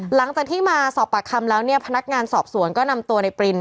หลังจากที่มาสอบปากคำแล้วเนี่ยพนักงานสอบสวนก็นำตัวในปริน